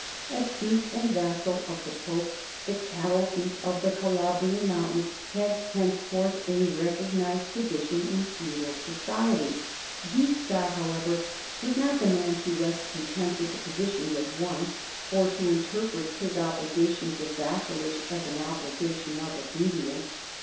As duke and vassal of the Pope, the cattle thief of the Calabrian mountains had henceforth a recognized position in feudal society. Guiscard, however, was not the man to rest content with the position he had won, or to interpret his obliga tion of vassalage as an obligation of obedience.